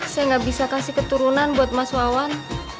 saya nggak bisa kasih keturunan buat mas wawan